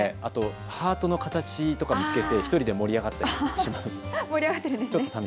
ハートの形とか見つけて１人で盛り上がってしまいます。